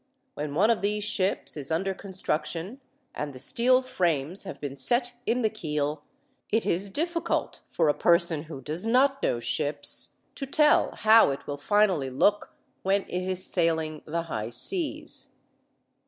When one of these ships is under construction and the steel frames have been set in the keel, it is difficult for a person who does not know ships to tell how it will finally look when it is sailing the high seas.